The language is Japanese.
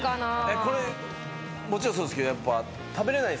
これもちろんそうですけどやっぱ。